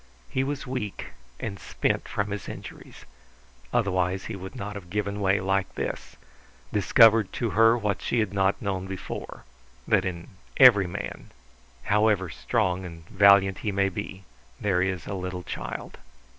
He was weak and spent from his injuries; otherwise he would not have given way like this, discovered to her what she had not known before, that in every man, however strong and valiant he may be, there is a little child.